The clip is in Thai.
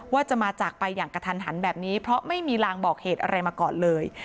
ว่าจะมาจากไปอย่างกระทันหันแบบนี้เพราะไม่มีลางบอกเหตุอะไรมาก่อนเลย